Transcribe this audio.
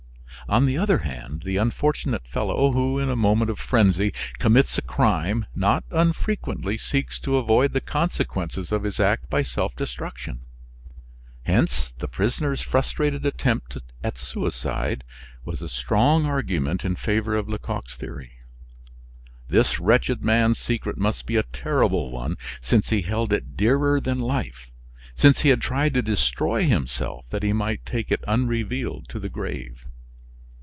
On the other hand, the unfortunate fellow who, in a moment of frenzy, commits a crime, not unfrequently seeks to avoid the consequences of his act by self destruction. Hence, the prisoner's frustrated attempt at suicide was a strong argument in favor of Lecoq's theory. This wretched man's secret must be a terrible one since he held it dearer than life, since he had tried to destroy himself that he might take it unrevealed to the grave.